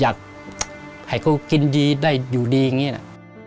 อยากให้เขากินดีได้อยู่ดีอย่างนี้นะ